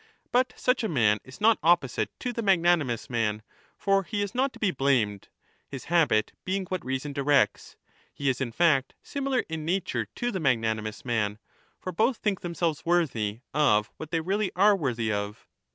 But such a man is not opposite to the magnani mous man, for he is not to be blamed ^ (his habit being what reason directs) ; he is, in fact, similar in nature to the magnanimous man ; for both think themselves worthy of what they really are worthy of.